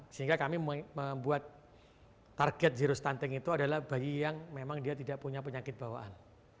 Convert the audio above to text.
sehingga kami membuat target zero stunting itu adalah bayi yang memang dia tidak punya penyakit bawaan